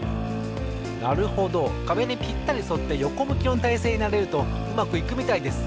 なるほどかべにぴったりそってよこむきのたいせいになれるとうまくいくみたいです。